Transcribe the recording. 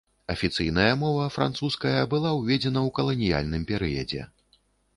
Афіцыйная мова, французская, была уведзена ў каланіяльным перыядзе.